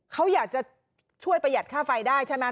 เขาอยากจะช่วยประหยัดค่าไฟได้ใช่ไหม